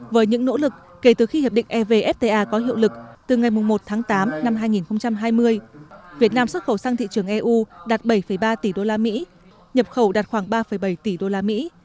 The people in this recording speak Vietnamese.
với những nỗ lực kể từ khi hiệp định evfta có hiệu lực từ ngày một tháng tám năm hai nghìn hai mươi việt nam xuất khẩu sang thị trường eu đạt bảy ba tỷ đô la mỹ nhập khẩu đạt khoảng ba bảy tỷ đô la mỹ